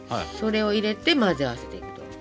それを入れて混ぜ合わせていくと。